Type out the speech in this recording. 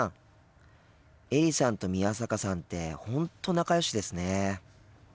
エリさんと宮坂さんって本当仲よしですね。